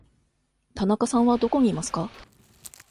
田中さんはどこにいますか。